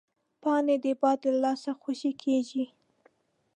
پاڼې د باد له لاسه خوشې کېږي